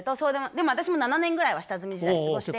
でも私も７年ぐらいは下積み時代を過ごしてて。